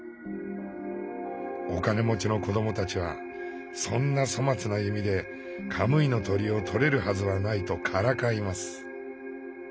お金持ちの子どもたちはそんな粗末な弓でカムイの鳥を捕れるはずはないとからかいます。